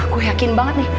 gue yakin banget nih